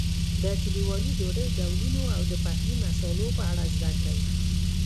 د کلیوالي ډوډۍ ډولونو او د پخلي مسالو په اړه زده کړئ.